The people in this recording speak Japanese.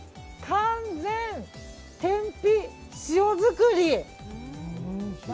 完全天日塩作り。